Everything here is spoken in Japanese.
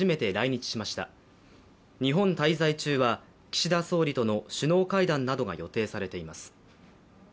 日本滞在中は岸田総理との首脳会談などが予定されています